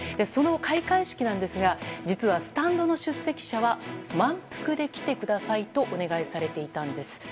その開会式ですが実はスタンドの出席者は満腹で来てくださいとお願いされていたんです。